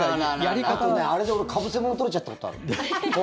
あれで俺、かぶせもの取れちゃったことある。